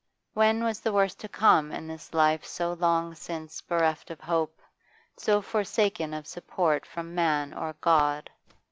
When was the worst to come in this life so long since bereft of hope, so forsaken of support from man or God?